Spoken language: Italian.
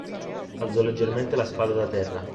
Alzò leggermente la spada da terra